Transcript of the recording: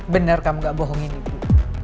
bener kamu ga bohongin ibu